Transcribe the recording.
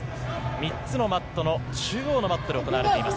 ３つのマットの中央マットで行われています。